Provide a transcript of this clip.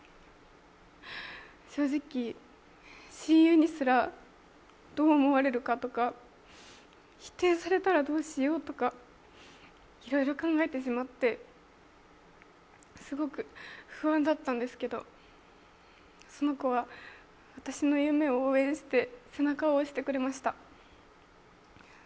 正直、親友にすらどう思われるかとか、否定されたらどうしようとかいろいろ考えてしまってすごく不安だったんですけどその子は私の夢を応援して背中を押してくれました。